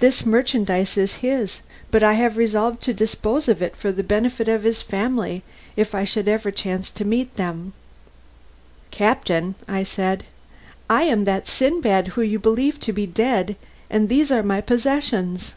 This merchandise is his, but I have resolved to dispose of it for the benefit of his family if I should ever chance to meet with them." "Captain," said I, "I am that Sindbad whom you believe to be dead, and these are my possessions!"